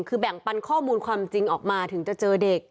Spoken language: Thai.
คือแบ่งปันข้อมูลความจริงออกมาถึงจะเจอเด็ก